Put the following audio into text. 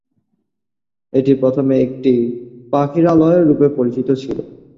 এটি প্রথমে একটি পাখিরালয় রূপে পরিচিত ছিল।